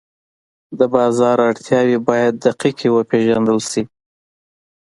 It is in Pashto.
د بازار اړتیاوې باید دقیقې وپېژندل شي.